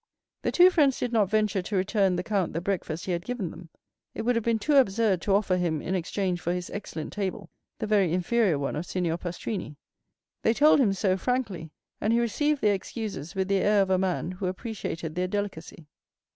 The two friends did not venture to return the count the breakfast he had given them; it would have been too absurd to offer him in exchange for his excellent table the very inferior one of Signor Pastrini. They told him so frankly, and he received their excuses with the air of a man who appreciated their delicacy.